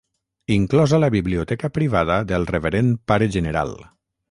Inclosa la biblioteca privada del Reverend Pare General.